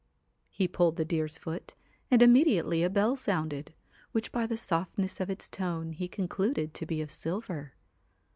' He pulled the deer's foot and immediately a bell sounded, which by the softness of its tone he con cluded to be of silver.